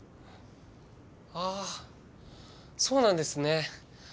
ああそうなんですね。